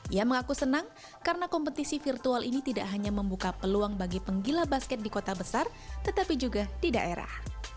ia mengaku senang karena kompetisi virtual ini tidak hanya membuka peluang bagi penggila basket di kota besar tetapi juga di daerah